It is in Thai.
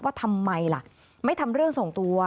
ทำไมล่ะไม่ทำเรื่องส่งตัว